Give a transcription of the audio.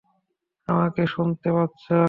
আমাকে শুনতে পাচ্ছ?